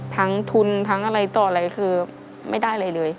ทั้งทุนทั้งอะไรต่ออะไรคือไม่ได้อะไรเลย